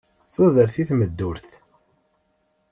Tudert i tmeddurt!